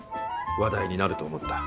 話題になると思った。